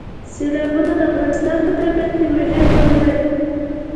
سیلابونه د افغانستان په طبیعت کې مهم رول لري.